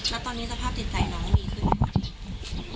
แล้วตอนนี้สภาพจิตใจน้องดีขึ้น